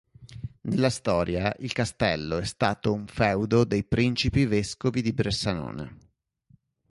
Nella storia il castello è stato un feudo dei principi vescovi di Bressanone.